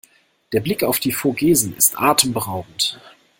Der Blick auf die Vogesen ist atemberaubend.